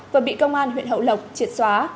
và bị công an huyện hậu lộc triệt xóa